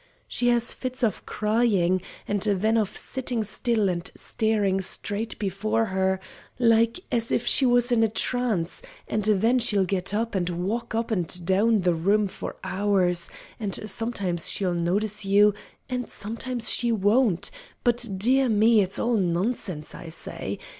"She has fits of crying, and then of sitting still and staring straight before her, like as if she was in a trance, and then she'll get up, and walk up and down the room for hours, and sometimes she'll notice you, and sometimes she won't but dear me, it's all nonsense, I say.